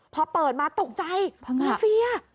พอเปิดมาตกใจมาเฟีย